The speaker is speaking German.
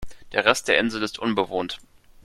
Der Rest der Insel ist unbewohnt.